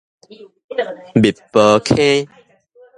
密婆坑